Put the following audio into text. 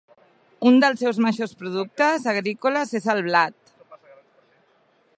Un dels seus majors productes agrícoles és el blat.